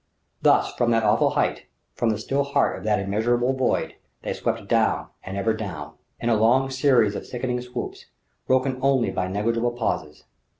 Thus from that awful height, from the still heart of that immeasurable void, they swept down and ever down, in a long series of sickening swoops, broken only by negligible pauses.